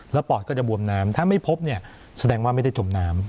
แล้วปอดก็จะบวมน้ำถ้าไม่พบเนี่ยแสดงว่าไม่ได้จมน้ำ